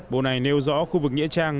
bộ này nêu rõ khu vực nghĩa trang